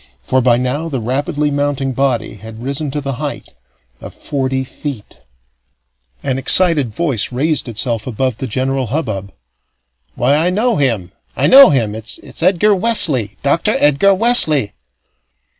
For by now the rapidly mounting body had risen to the height of forty feet. An excited voice raised itself above the general hubbub. "Why, I know him! I know him! It's Edgar Wesley! Doctor Edgar Wesley!"